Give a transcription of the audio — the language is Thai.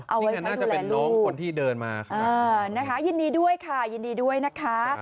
เอาไว้ใช้ดูแลลูกนะคะยินดีด้วยค่ะยินดีด้วยนะคะ